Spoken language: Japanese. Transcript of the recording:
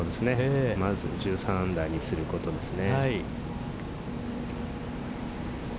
まず１３アンダーにすることですね。